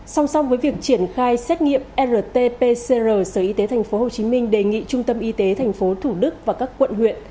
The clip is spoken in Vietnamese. song song với việc triển khai xét nghiệm rt pcr sở y tế tp hcm đề nghị trung tâm y tế tp thủ đức và các quận huyện